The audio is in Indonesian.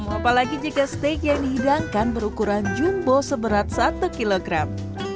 apalagi jika steak yang dihidangkan berukuran jumbo seberat satu kilogram